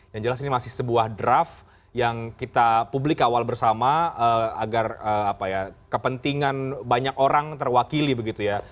yang jelas ini masih sebuah draft yang kita publik awal bersama agar kepentingan banyak orang terwakili begitu ya